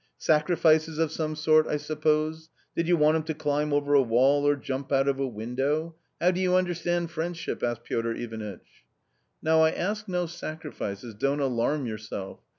sacrifices of some sort, I suppose ; did you want him to climb over a wall or jump out of a window ? How do you understand friendship ?" asked Piotr Ivanitch. " Now I ask no sacrifices — don't alarm yourself.